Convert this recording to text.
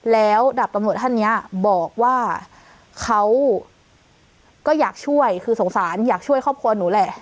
แล้วดาบตำรวจท่านนี้บอกว่าเขาก็อยากช่วยคือสงสารอยากช่วยครอบครัวหนูแหละ